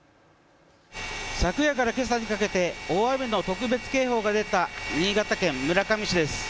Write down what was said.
昨夜からけさにかけて大雨の特別警報が出た新潟県村上市です。